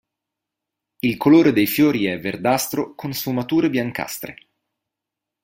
Il colore dei fiori è verdastro con sfumature biancastre.